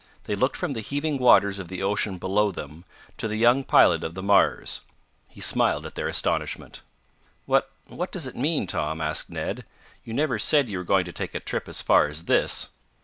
They looked from the heaving waters of the ocean below them to the young pilot of the Mars. He smiled at their astonishment. "What what does it mean, Tom?" asked Ned. "You never said you were going to take a trip as far as this."